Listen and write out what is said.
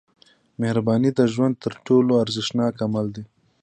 • مهرباني د ژوند تر ټولو ارزښتناک عمل دی.